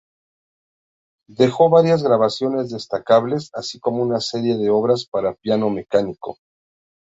Dejó varias grabaciones destacables, así como una serie de obras para piano mecánico.